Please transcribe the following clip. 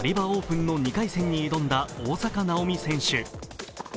オープンの２回戦に挑んだ大坂なおみ選手。